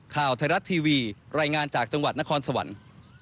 ข่าวไทยรัฐทีวีรายงานจากจังหวัดนครสวรรค์